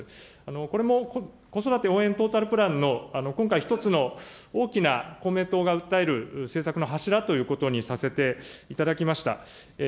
これも、子育て応援トータルプランの今回、１つの大きな公明党が訴える政策の柱とさせていただきました。